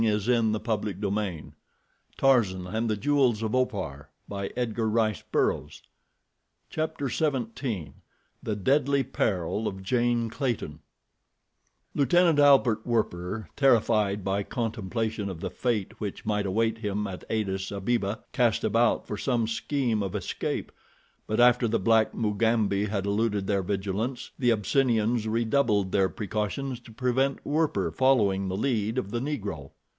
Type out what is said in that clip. Within, Achmet Zek conversed with several of his lieutenants. Without, Tarzan listened. CHAPTER XVII. The Deadly Peril of Jane Clayton Lieutenant Albert Werper, terrified by contemplation of the fate which might await him at Adis Abeba, cast about for some scheme of escape, but after the black Mugambi had eluded their vigilance the Abyssinians redoubled their precautions to prevent Werper following the lead of the Negro.